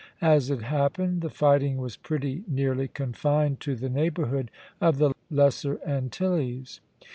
As it happened, the fighting was pretty nearly confined to the neighborhood of the Lesser Antilles.